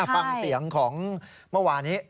ฟังเสียงของเมื่อวานี้